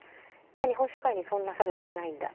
「いや日本社会にそんな差別はないんだ。